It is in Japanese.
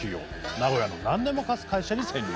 名古屋の何でも貸す会社に潜入。